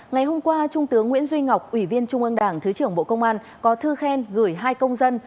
ngày hôm qua trung tướng nguyễn duy ngọc ủy viên trung ương đảng thứ trưởng bộ công an có thư khen gửi hai công dân